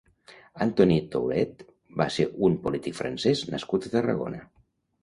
Antony Thouret va ser un polític francès nascut a Tarragona.